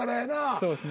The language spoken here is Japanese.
そうですね。